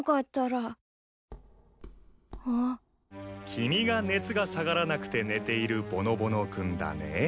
君が熱が下がらなくて寝ているぼのぼの君だね。